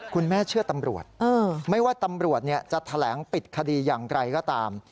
คุณแม่เชื่อตำรวจไม่ว่าตำรวจจะแถลงปิดคดีอย่างไรก็ตาม